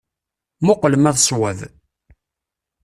Muqel ma d ṣṣwab.